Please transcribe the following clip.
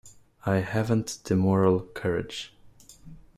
I haven’t the moral courage.